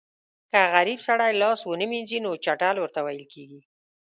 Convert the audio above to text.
که غریب سړی لاس ونه وینځي نو چټل ورته ویل کېږي.